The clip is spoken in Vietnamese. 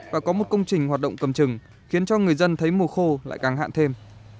và có một công trình hoạt động cầm trừng khiến cho người dân thấy mùa khô lại càng hạn thêm